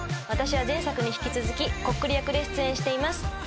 私は前作に引き続きコックリ役で出演しています。